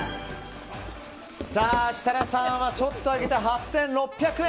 設楽さんはちょっと上げて８６００円。